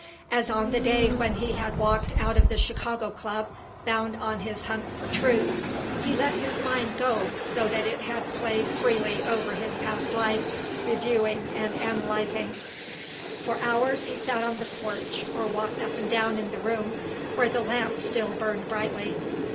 As on the day when he had walked out of the Chicago Club bound on his hunt for Truth, he let his mind go so that it played freely over his past life, reviewing and analysing. For hours he sat on the porch or walked up and down in the room where the lamp still burned brightly.